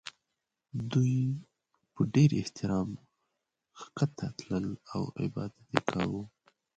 دوی په ډېر احترام ښکته تلل او عبادت یې کاوه.